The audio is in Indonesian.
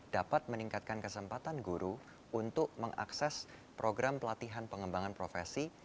dapat meningkatkan kesempatan guru untuk mengakses program pelatihan pengembangan profesi